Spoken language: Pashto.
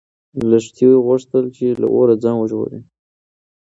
لښتې غوښتل چې له اوره ځان وژغوري.